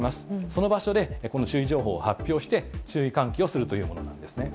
その場所でこの注意情報を発表して、注意喚起をするというものなんですね。